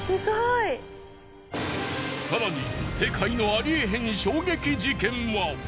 更に世界のありえへん衝撃事件は。